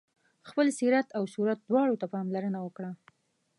خپل سیرت او صورت دواړو ته پاملرنه وکړه.